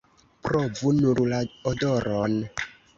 Provu nur la odoron!